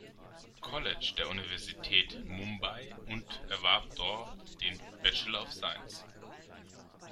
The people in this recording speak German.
College der Universität Mumbai und erwarb dort den Bachelor of Science.